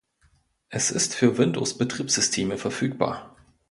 Es ist für Windows Betriebssysteme verfügbar.